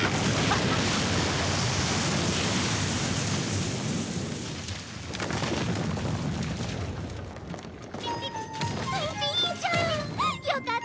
あっ！